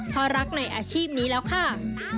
เพราะรักในอาชีพนี้แล้วค่ะ